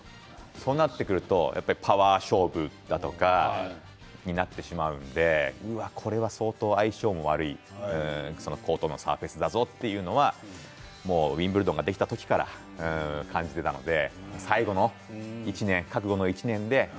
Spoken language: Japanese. そうなってくるとパワー勝負だとかになってしまうのでこれは相当相性の悪いコートのサーフェスだぞというのはウィンブルドンができた時から感じていたのです。